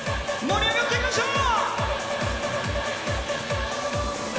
盛り上がっていきましょう。